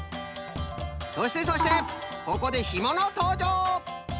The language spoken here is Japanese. そしてそしてここでひものとうじょう。